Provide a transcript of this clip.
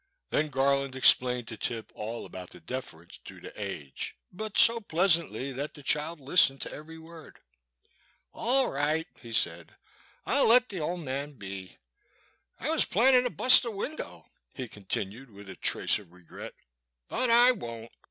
Then Garland explained to Tip all about the deference due to age, but so pleasantly that the child listened to every word. *' All right," he said, " I '11 let the ole man be, — I was plannin' to bust a window," he con tinued, with a trace of regret, " but I won't